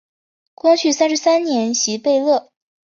光绪三十三年袭贝勒。